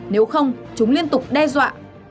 nếu không chúng liên tục đe dọa